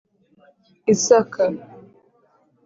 Isaka